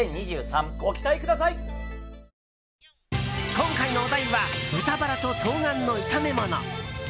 今回のお題は豚バラと冬瓜の炒め物。